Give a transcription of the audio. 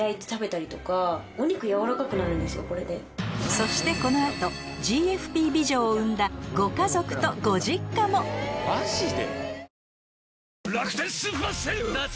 そしてこの後ＧＦＰ美女を生んだご家族とご実家もマジで？